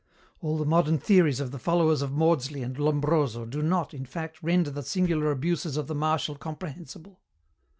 "All the modern theories of the followers of Maudsley and Lombroso do not, in fact, render the singular abuses of the Marshal comprehensible.